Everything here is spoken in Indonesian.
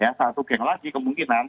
ya satu geng lagi kemungkinan